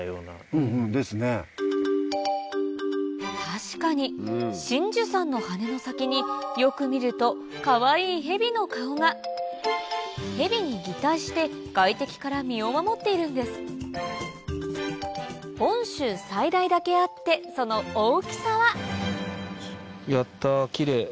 確かにシンジュサンの羽の先によく見るとかわいいヘビの顔がヘビに擬態して外敵から身を守っているんです本州最大だけあってやったキレイ！